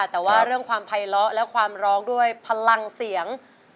แต่ว่าเรื่องความภัยเลาะและความร้องด้วยพลังเสียง